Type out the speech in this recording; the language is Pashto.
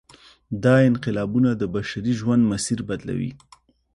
دا انقلابونه د بشري ژوند مسیر بدلوي.